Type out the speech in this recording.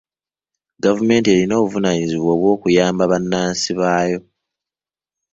Gavumenti erina obuvunaanyizibwa obw'okuyamba bannansi baayo.